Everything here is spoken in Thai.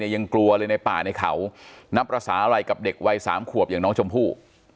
ยังกลัวเลยในป่าในเขานับภาษาอะไรกับเด็กวัย๓ขวบอย่างน้องชมพู่